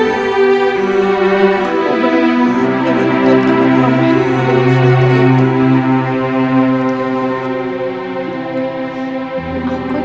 aku benar benar ingin ditutup